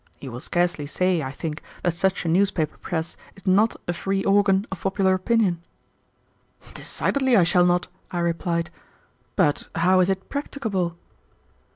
You will scarcely say, I think, that such a newspaper press is not a free organ of popular opinion." "Decidedly I shall not," I replied, "but how is it practicable?"